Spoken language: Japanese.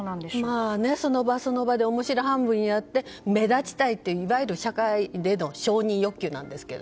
今、その場その場で面白半分でやって目立ちたいという、いわゆる社会への承認欲求なんですけど。